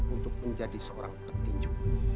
untuk menjadi seorang petinju